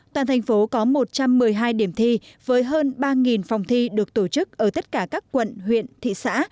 toàn thành phố có một trăm một mươi hai điểm thi với hơn ba phòng thi được tổ chức ở tất cả các quận huyện thị xã